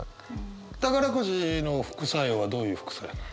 宝くじの副作用はどういう副作用なの？